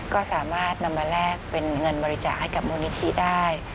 ก็สามารถนำมาแลกเป็นเงินบริจาคให้กับมูลนิธิได้